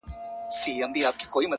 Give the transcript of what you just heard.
• بې پروا سي بس له خپلو قریبانو..